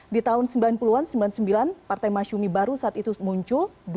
di tahun sembilan puluh an sembilan puluh sembilan partai masyumi baru saat itu muncul